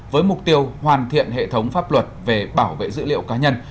với mục tiêu hoàn thiện hệ thống pháp luật về bảo vệ dữ liệu cá nhân